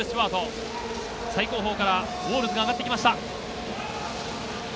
最後方からウォールズが上がってきました。